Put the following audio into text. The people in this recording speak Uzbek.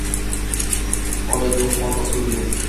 Hojat yo’q ortiq so’zga